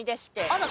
あら。